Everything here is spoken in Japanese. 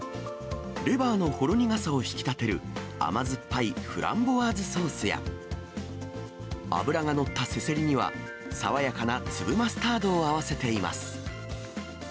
レバーのほろ苦さを引き立てる甘酸っぱいフランボワーズソースや、脂が乗ったせせりには、爽やかな粒マスタードを合わせています。